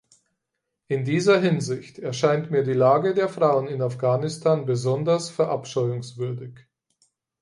In dieser Hinsicht erscheint mir die Lage der Frauen in Afghanistan besonders verabscheuungswürdig.